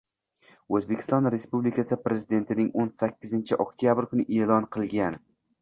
O‘zbekiston Respublikasi Prezidentining o'n sakkizinchi oktyabr kuni e’lon qilingan